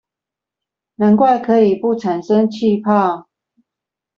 難怪可以不產生氣泡